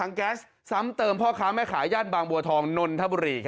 อ่าแล้วทะเบียนก็เต็มไม่รอด